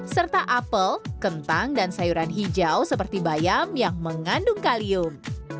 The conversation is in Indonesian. serta apel kentang dan sayuran hijau seperti bayam yang mengandung kalium